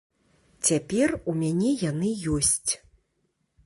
Цяпер у мяне яны ёсць.